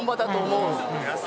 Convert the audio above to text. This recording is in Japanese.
うん。